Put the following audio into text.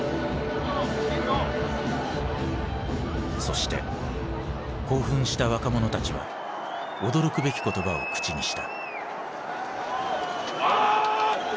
そして興奮した若者たちは驚くべき言葉を口にした。